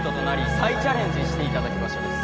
再チャレンジしていただく場所です